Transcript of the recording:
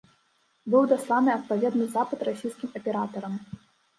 Быў дасланы адпаведны запыт расійскім аператарам.